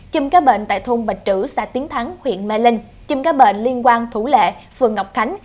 chùm các bệnh tại thôn bạch trữ xã tiến thắng huyện mê linh chim ca bệnh liên quan thủ lệ phường ngọc khánh